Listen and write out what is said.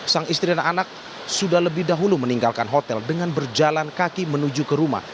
sang istri dan anak sudah lebih dahulu meninggalkan hotel dengan berjalan kaki menuju ke rumah